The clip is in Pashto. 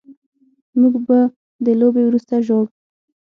موږ به د لوبې وروسته ژاړو